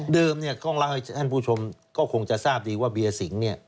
เดิมก็คงจะท่านผู้ชมทราบดีว่าเบียสิง